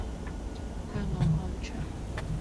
怕我看出，